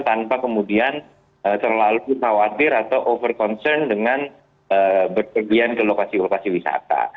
tanpa kemudian terlalu khawatir atau over concern dengan berpergian ke lokasi lokasi wisata